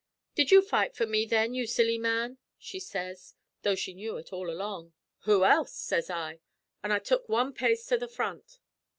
"'Did you fight for me then, ye silly man?' she sez, tho' she knew ut all along. "'Who else?' sez I; an' I tuk wan pace to the front.